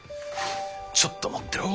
ちょっと待ってろ。